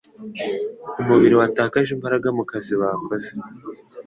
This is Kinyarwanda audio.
umubiri watakaje imbaraga mu kazi bakoze.